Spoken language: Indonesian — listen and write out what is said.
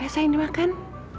eh sayang dimakan